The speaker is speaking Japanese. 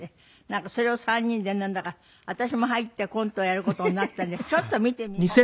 なんかそれを３人でなんだか私も入ってコントをやる事になったんでちょっと見てみます。